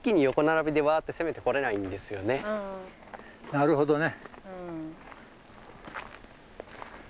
なるほどね。